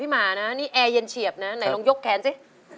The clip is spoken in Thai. หมานะนี่แอร์เย็นเฉียบนะไหนลองยกแขนสิ